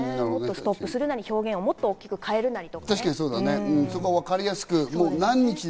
ストップするなり、表現をもっと大きく変えるなり。